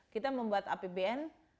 kita membuat apbn